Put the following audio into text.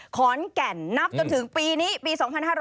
ขอนแก่นนับจนถึงปีนี้ปี๒๕๕๙